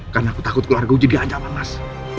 karena aku takut keluarga gue jadi anjalan mas